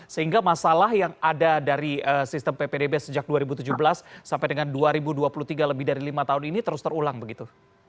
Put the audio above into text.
sehingga masalah yang ada dari sistem ppdb sejak dua ribu tujuh belas sampai dengan dua ribu dua puluh tiga lebih dari lima tahun ini terus terulang begitu